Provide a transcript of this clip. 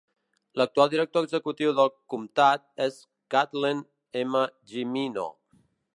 L'actual Director Executiu del comptat és Kathleen M. Jimino.